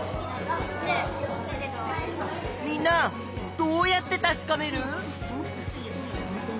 みんなどうやってたしかめる？